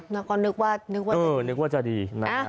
แล้วก็นึกว่าจะดี